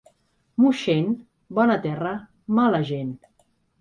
Moixent, bona terra, mala gent.